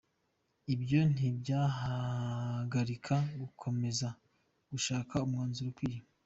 Ibyo ntibyahagarika gukomeza gushaka umwanzuro ukwiye.